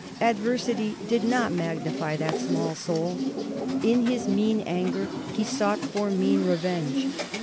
Adversity did not magnify that small soul. In his mean anger he sought for mean revenge.